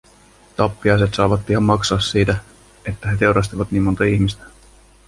Tappiaiset saavat pian maksaa siitä, että he teurastivat niin monta ihmistä.